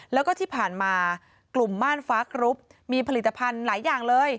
แล้วก็ที่ผ่านมากลุ่มม่านฟ้ากรุ๊ปมีผลิตภัณฑ์หลายอย่างเลย